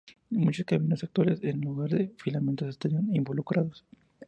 Muchos caminos actuales en lugar de filamentos estarían involucrados.